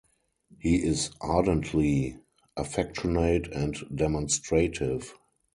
He is ardently affectionate and demonstrative.